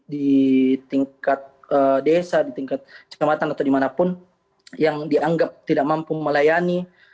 di tingkat desa di tingkat kecamatan atau dimanapun yang dianggap tidak mampu melayani